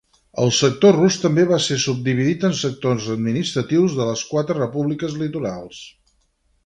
El sector rus també va ser subdividit en sectors administratius de les quatre repúbliques litorals.